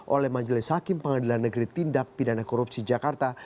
oleh majelis hakim pengadilan negeri tindak pidana korupsi jakarta